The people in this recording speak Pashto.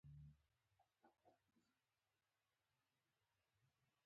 بانک د پيسو د دوران لپاره غوره لاره ده.